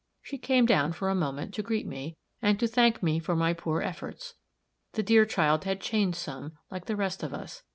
She came down, for a moment, to greet me, and to thank me for my poor efforts. The dear child had changed some, like the rest of us.